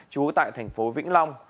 trú tại thành phố vĩnh long